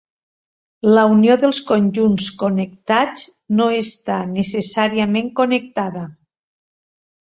La unió dels conjunts connectats no està necessàriament connectada.